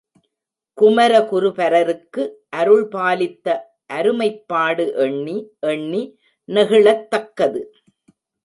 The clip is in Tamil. குமரகுருபரருக்கு அருள்பாலித்த அருமைப்பாடு எண்ணி எண்ணி நெகிழத்தக்கது.